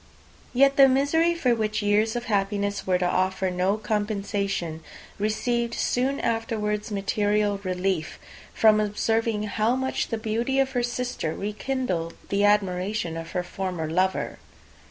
Yet the misery, for which years of happiness were to offer no compensation, received soon afterwards material relief, from observing how much the beauty of her sister rekindled the admiration of her former lover.